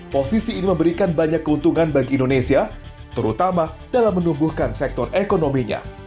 posisi ini memberikan banyak keuntungan bagi indonesia terutama dalam menumbuhkan sektor ekonominya